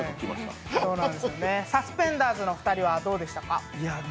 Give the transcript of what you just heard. サスペンダーズの２人はどうでしたか？